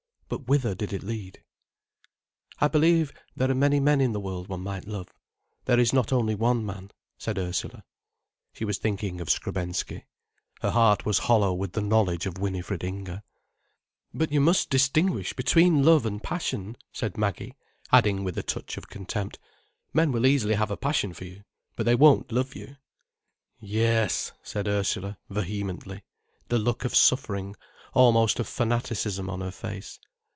But whither did it lead? "I believe there are many men in the world one might love—there is not only one man," said Ursula. She was thinking of Skrebensky. Her heart was hollow with the knowledge of Winifred Inger. "But you must distinguish between love and passion," said Maggie, adding, with a touch of contempt: "Men will easily have a passion for you, but they won't love you." "Yes," said Ursula, vehemently, the look of suffering, almost of fanaticism, on her face.